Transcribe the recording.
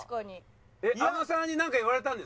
あのさんになんか言われたんですか？